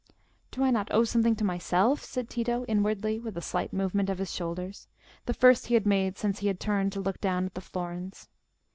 "Do I not owe something to myself?" said Tito, inwardly, with a slight movement of his shoulders, the first he had made since he had turned to look down at the florins.